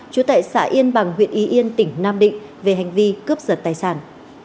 chú tại xã yên bằng huyện y yên tỉnh nam định về hành vi cướp giật tài sản